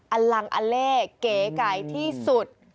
อัลล่างอเลเก๋ไก่ที่สุด